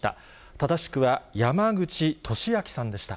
正しくは、山口敏章さんでした。